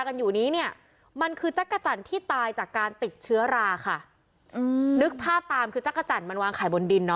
กันอยู่นี้เนี่ยมันคือจักรจันทร์ที่ตายจากการติดเชื้อราค่ะอืมนึกภาพตามคือจักรจันทร์มันวางขายบนดินเนอ